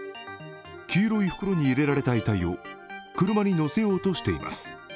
黄色い袋に入れられた遺体を車に乗せようとしています。